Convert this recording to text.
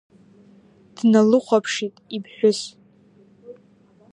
Дналыхәаԥшит иԥҳәыс.